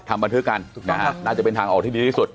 บันทึกกันน่าจะเป็นทางออกที่ดีที่สุด